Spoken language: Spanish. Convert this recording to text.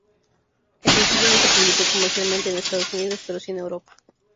El sencillo no se publicó comercialmente en Estados Unidos, pero sí en Europa.